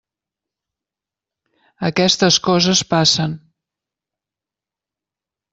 Aquestes coses passen.